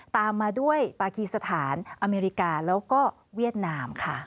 ตามมาด้วยปากีสถานอเมริกาแล้วก็เวียดนามค่ะ